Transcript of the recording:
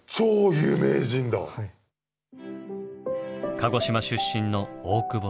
鹿児島出身の大久保利通。